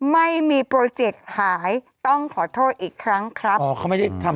ไม่มีโปรเจกต์หายต้องขอโทษอีกครั้งครับอ๋อเขาไม่ได้ทำ